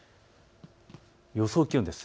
予想気温です。